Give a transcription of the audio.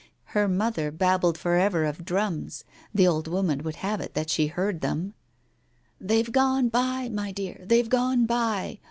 Her mother babbled for ever of drums; the old woman would have it that she heard them. ... "They've gone by, my dear, they've gone by.